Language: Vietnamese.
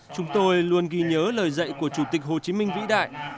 chúng tôi luôn ghi nhớ lời dạy của chủ tịch hồ chí minh vĩ đại